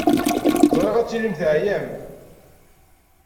Ẓriɣ ad tilim teɛyam.